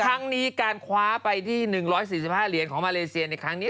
ครั้งนี้การคว้าไปที่๑๔๕เหรียญของมาเลเซียในครั้งนี้